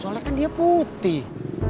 soalnya kan dia putih